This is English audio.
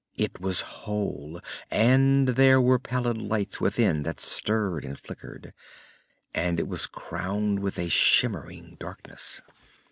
It was whole, and there were pallid lights within that stirred and flickered, and it was crowned with a shimmering darkness.